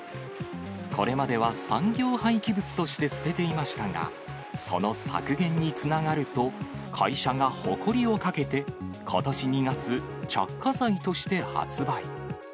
これまでは産業廃棄物として捨てていましたが、その削減につながると、会社が誇りをかけてことし２月、着火剤として発売。